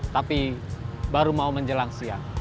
tapi baru mau menjelang siang